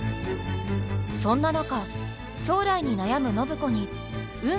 そんな中将来に悩む暢子に何？